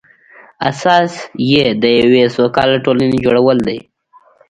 اساس یې د یوې سوکاله ټولنې جوړول دي.